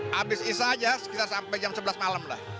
habis iso saja kita sampai jam sebelas malam